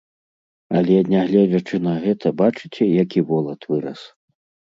Але, нягледзячы на гэта, бачыце, які волат вырас.